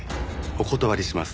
お断りします。